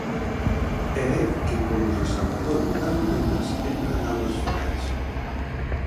E é que polos desaugadoiros das vivendas entran augas fecais.